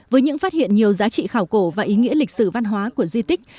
với những phát hiện nhiều giá trị khảo cổ và ý nghĩa lịch sử văn hóa của di tích